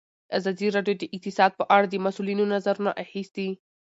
ازادي راډیو د اقتصاد په اړه د مسؤلینو نظرونه اخیستي.